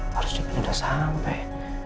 harus jika dia udah sampai